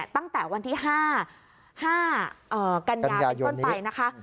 ตั้งแต่วันที่๕กันยาเป็นต้นไปนะคะ